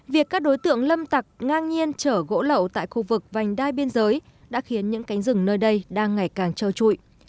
việc các đối tượng lâm tặc ngang nhiên chở gỗ lậu tại khu vực vành đai biên giới đã khiến những cánh rừng nơi đây đang ngày càng trâu trụi